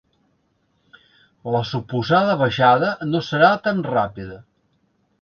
La suposada baixada no serà tan ràpida.